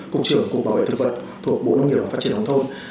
cục trưởng cục bảo vệ thực vật thuộc bộ nông nghiệp và phát triển nông thôn